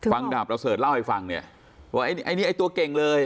ฟังดราบเราสำหรับเล่าให้ฟังเนี่ยว่าไอะเนี้ยไอ้ตัวเก่งเลย